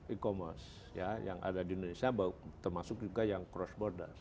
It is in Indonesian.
e commerce yang ada di indonesia termasuk juga yang cross border